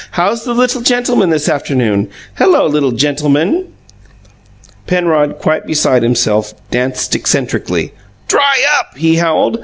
"How's the little gentleman, this afternoon? Hello, little gentleman!" Penrod, quite beside himself, danced eccentrically. "Dry up!" he howled.